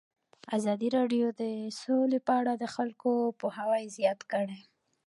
ازادي راډیو د سوله په اړه د خلکو پوهاوی زیات کړی.